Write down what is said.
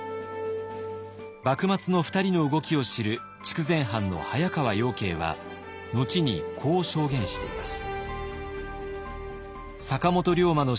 幕末の２人の動きを知る筑前藩の早川養敬は後にこう証言しています。